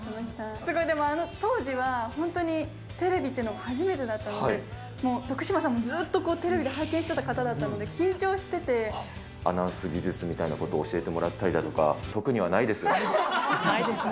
すごいでもあの当時は、本当にテレビというの、初めてだったので、もう徳島さんもずっとテレビで拝見してた方だったんで、緊張してアナウンス技術みたいなことを教えてもらったりだとか、特にはないですよね。